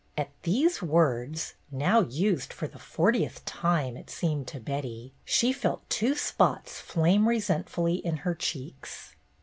At these words, now used for the fortieth time, it seemed to Betty, she felt two spots flame resentfully in her cheeks.